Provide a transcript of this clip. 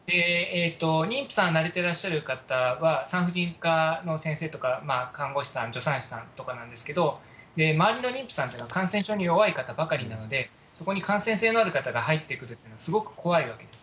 妊婦さんに慣れてらっしゃる方は、産婦人科の先生とか、看護師さん、助産師さんとかなんですけど、周りの妊婦さんというのは、感染症に弱い方ばかりなので、そこに感染性のある方が入ってくるとすごく怖いわけです。